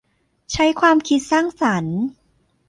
ใช้ความคิดสร้างสรรค์